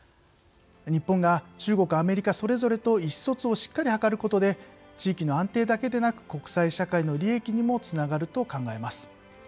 日本が、中国、アメリカそれぞれと意思疎通をしっかり図ることで地域の安定だけでなく国際社会の利益にもつながると考えます。